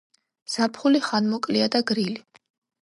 ზაფხული ხანმოკლეა და გრილი.